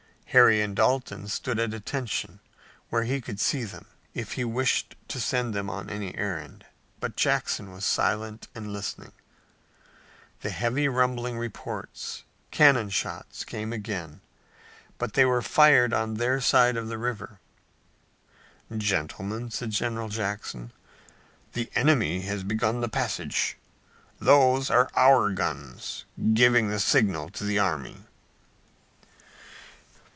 Harry and Dalton stood at attention, where he could see them, if he wished to send them on any errand. But Jackson was silent and listening. The heavy rumbling reports cannon shots came again, but they were fired on their side of the river. "Gentlemen," said General Jackson, "the enemy has begun the passage. Those are our guns giving the signal to the army."